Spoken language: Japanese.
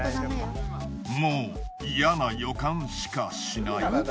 もう嫌な予感しかしない。